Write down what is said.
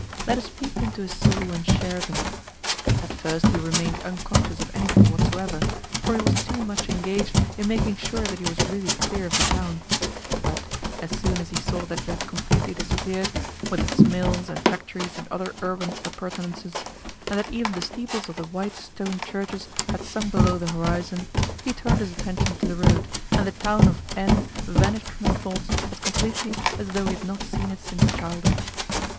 Let us peep into his soul and share them. At first he remained unconscious of anything whatsoever, for he was too much engaged in making sure that he was really clear of the town; but as soon as he saw that it had completely disappeared, with its mills and factories and other urban appurtenances, and that even the steeples of the white stone churches had sunk below the horizon, he turned his attention to the road, and the town of N. vanished from his thoughts as completely as though he had not seen it since childhood.